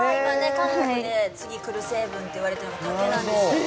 韓国で次くる成分っていわれているのが竹なんですよ